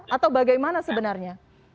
atau bagaimana sebenarnya